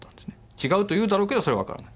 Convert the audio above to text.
違うと言うだろうけどそれは分からない。